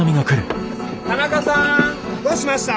田中さんどうしました？